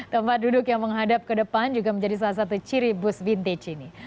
tempat duduk yang menghadap ke depan juga menjadi salah satu ciri bus vintage ini